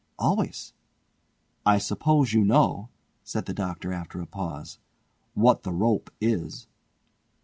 "Always." "I suppose you know," said the Doctor after a pause, "what the rope is?"